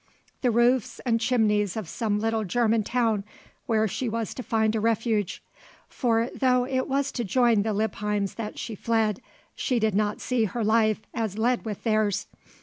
the roofs and chimneys of some little German town where she was to find a refuge; for though it was to join the Lippheims that she fled, she did not see her life as led with theirs.